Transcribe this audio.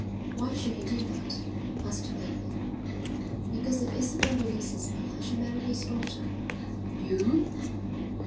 "Why should he do that?" asked Bateman. "Because if Isabel releases me I shall marry his daughter." "You?"